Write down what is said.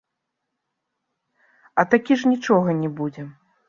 А такі ж нічога не будзе.